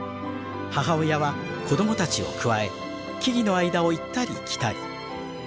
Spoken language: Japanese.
母親は子供たちをくわえ木々の間を行ったり来たり。